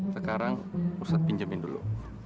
sekarang ustadz pinjemin dulu